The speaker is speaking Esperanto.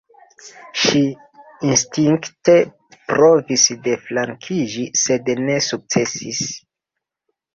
Ŝi instinkte provis deflankiĝi, sed ne sukcesis.